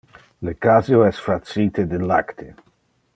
Le caseo es facite de lacte.